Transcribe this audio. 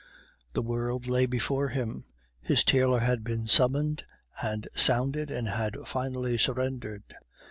The world lay before him. His tailor had been summoned and sounded, and had finally surrendered.